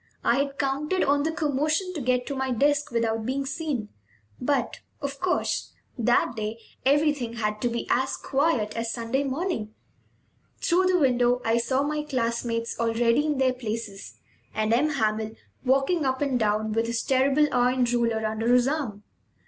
I had counted on the commotion to get to my desk without being seen; but, of course, that day everything had to be as quiet as Sunday morning. Through the window I saw my classmates, already in their places, and M. Hamel walking up and down with his terrible iron ruler under his arm.